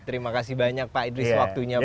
terima kasih banyak pak idris waktunya